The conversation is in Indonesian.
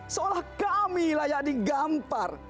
seolah kami layak digampar